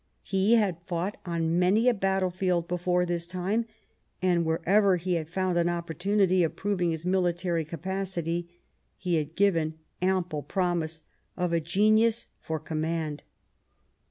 He had fought on many a battle field before this time, and wherever he had found an opportunity of proving his military capacity he had given ample promise of a genius for command.